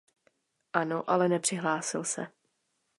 Ano, ale nepřihlásil se.